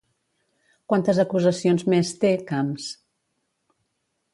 Quantes acusacions més té Camps?